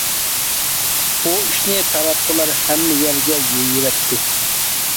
بۇ ئىشنى تاراتقۇلار ھەممە يەرگە يېيىۋەتتى.